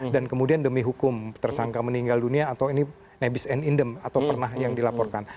dan kemudian demi hukum tersangka meninggal dunia atau ini nebis and indem atau pernah yang dilaporkan